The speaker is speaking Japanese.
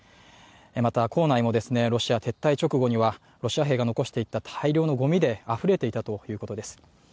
また校内もロシア撤退直後にはロシア兵が残していった大量のごみであふれていたということです。